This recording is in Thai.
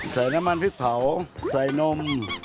ใส่น้ำมันพริกเผาใส่นม